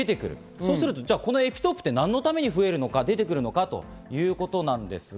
そうするとエピトープって何のために増えるのか、出てくるのかということなんですが、